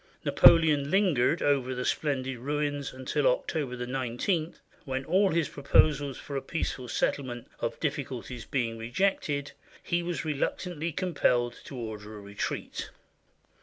Napoleon lingered over the splendid ruins until Oct. 19, when all his proposals for a peaceful settlement of difficulties being rejected, he was reluctantly compelled to order a retreat.